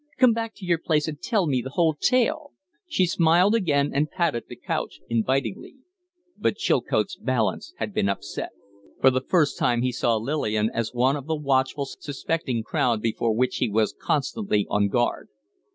Come back to your place and tell me the whole tale?" She smiled again, and patted the couch invitingly. But Chilcote's balance had been upset. For the first time he saw Lillian as one of the watchful, suspecting crowd before which he was constantly on guard.